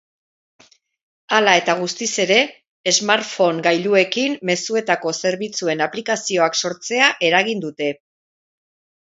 Hala eta guztiz ere, smartphone gailuekin mezuetako zerbitzuen aplikazioak sortzea eragin dute.